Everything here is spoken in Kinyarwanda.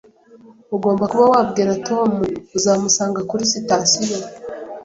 Ugomba kuba wabwira Tom uzamusanga kuri sitasiyo